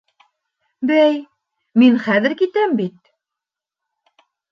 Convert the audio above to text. — Бәй, мин хәҙер китәм бит.